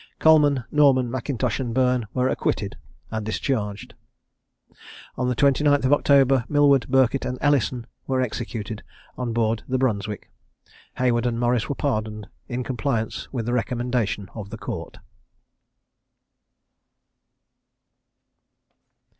Coleman, Norman, Mackintosh, and Burn were acquitted, and discharged. On the 29th of October, Millward, Birkett, and Ellison, were executed on board the Brunswick: Heywood and Morris were pardoned, in compliance with the recommendation of the Court.